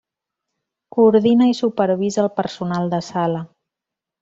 Coordina i supervisa el personal de sala.